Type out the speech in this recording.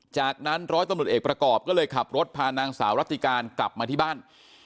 จากนั้นร้อยตำรวจเอกประกอบก็เลยขับรถพานางสาวรัติการกลับมาที่บ้าน